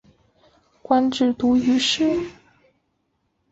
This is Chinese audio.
官至都御史。